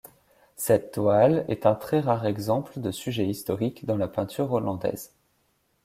Cette toile est un très rare exemple de sujet historique dans la peinture hollandaise.